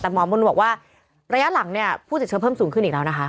แต่หมอมนต์บอกว่าระยะหลังเนี่ยผู้ติดเชื้อเพิ่มสูงขึ้นอีกแล้วนะคะ